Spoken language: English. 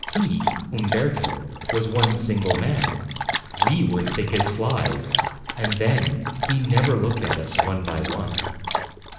He, Umberto, was one single man; we were as thick as flies. And then, he never looked at us one by one."